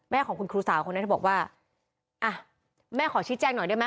ของคุณครูสาวคนนั้นเธอบอกว่าอ่ะแม่ขอชี้แจ้งหน่อยได้ไหม